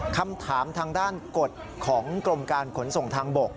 คำถามทางด้านกฎของกรมการขนส่งทางบก